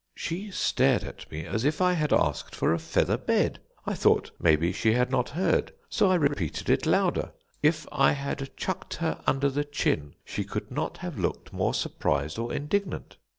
"She stared at me as if I had asked for a feather bed. I thought, maybe, she had not heard, so I repeated it louder. If I had chucked her under the chin she could not have looked more surprised or indignant.